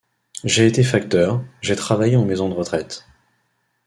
J’ai été facteur, j’ai travaillé en maison de retraite.